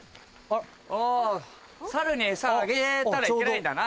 お猿に餌あげたらいけないんだな。